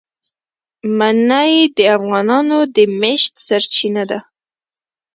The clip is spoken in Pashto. منی د افغانانو د معیشت سرچینه ده.